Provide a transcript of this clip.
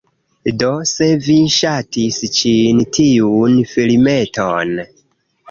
Do, se vi ŝatis ĉi tiun filmeton